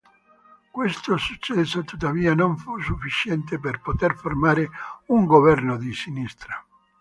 Questo successo, tuttavia, non fu sufficiente per poter formare un governo di sinistra.